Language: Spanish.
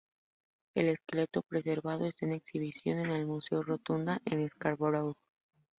El esqueleto preservado está en exhibición en el Museo Rotunda en Scarborough.